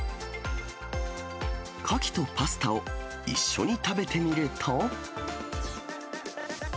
カキとパスタを一緒に食べてみると。